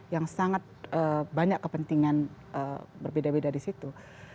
yang sangat banyak kepentingan berbeda beda di situ